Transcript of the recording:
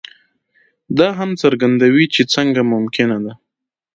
دا هم څرګندوي چې څنګه ممکنه ده.